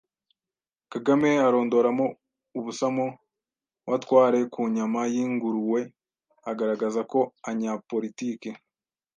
Kagame arondoramo ubusamo w’atware ku nyama y’ingurue agaragaza ko anyaporitiki